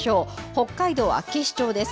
北海道厚岸町です。